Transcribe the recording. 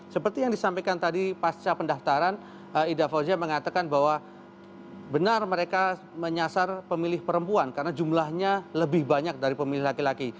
seperti yang disampaikan tadi pasca pendaftaran ida fauzia mengatakan bahwa benar mereka menyasar pemilih perempuan karena jumlahnya lebih banyak dari pemilih laki laki